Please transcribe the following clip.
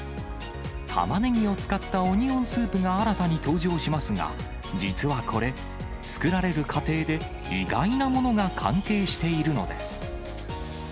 タマネギを使ったオニオンスープが新たに登場しますが、実はこれ、作られる過程で意外なものが関係しているのです。